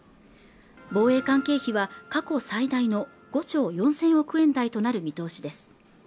防衛関係費は過去最大の５兆４０００億円台となる見通しです